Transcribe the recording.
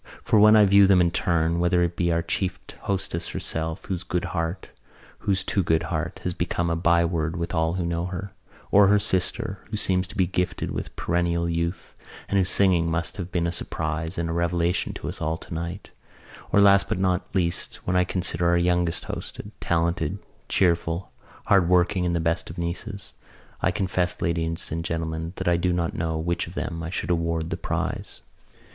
For when I view them in turn, whether it be our chief hostess herself, whose good heart, whose too good heart, has become a byword with all who know her, or her sister, who seems to be gifted with perennial youth and whose singing must have been a surprise and a revelation to us all tonight, or, last but not least, when I consider our youngest hostess, talented, cheerful, hard working and the best of nieces, I confess, Ladies and Gentlemen, that I do not know to which of them I should award the prize."